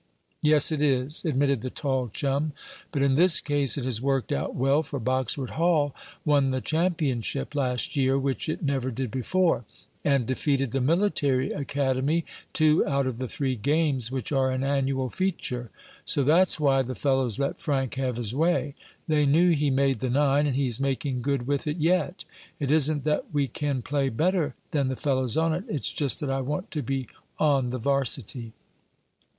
"Yes, it is," admitted the tall chum. "But in this case it has worked out well, for Boxwood Hall won the championship last year, which it never did before, and defeated the military academy two out of the three games which are an annual feature. So that's why the fellows let Frank have his way. They knew he made the nine, and he's making good with it yet. It isn't that we can play better than the fellows on it, it's just that I want to be on the varsity."